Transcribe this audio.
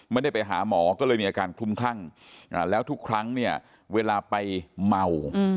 ไม่ได้ไปหาหมอก็เลยมีอาการคลุมคลั่งแล้วทุกครั้งเนี่ยเวลาไปเมา